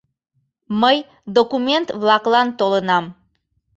Мый документ-влаклан толынам.